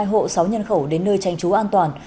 hai hộ sáu nhân khẩu đến nơi tranh trú an toàn